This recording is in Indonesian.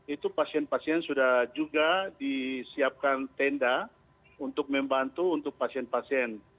itu pasien pasien sudah juga disiapkan tenda untuk membantu untuk pasien pasien